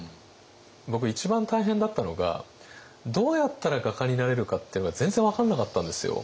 僕一番大変だったのがどうやったら画家になれるかっていうのが全然分からなかったんですよ。